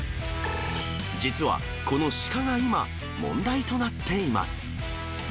実は、このシカが今、問題となっています。